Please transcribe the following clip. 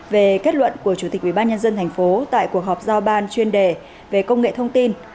về kết luận của chủ tịch ubnd tp tại cuộc họp giao ban chuyên đề về công nghệ thông tin